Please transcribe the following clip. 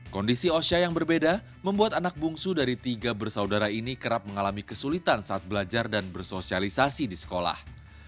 kondisi osha yang berbeda membuat anak bungsu dari tiga bersaudara ini kerap mengalami kesulitan saat belajar dan bersosialisasi di sekolah